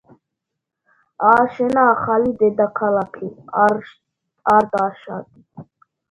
ააშენა ახალი დედაქალაქი არტაშატი.